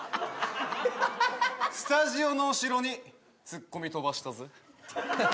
スタジオの後ろにツッコミ飛ばしたぜ